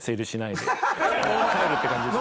帰るって感じです。